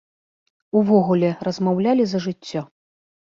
Увогуле размаўлялі за жыццё.